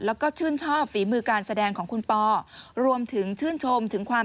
และก็ชื่นชอบฝีมือการแสดงของคุณป่าว